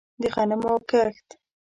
د غنمو کښت